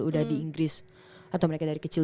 udah di inggris atau mereka dari kecil